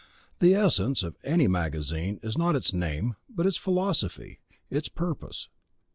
The essence of any magazine is not its name, but its philosophy, its purpose.